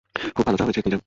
খুব ভালো চা হয়েছে নিজাম।